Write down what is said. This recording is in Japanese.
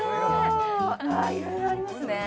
いろいろありますね